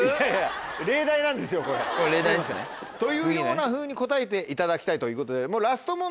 これ例題ですよね。というようなふうに答えていただきたいということで。